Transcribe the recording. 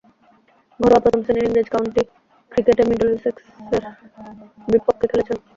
ঘরোয়া প্রথম-শ্রেণীর ইংরেজ কাউন্টি ক্রিকেটে মিডলসেক্সের পক্ষে খেলেছেন।